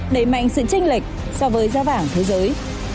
đẩy mạnh sự tranh lệch so với giá vàng thế giới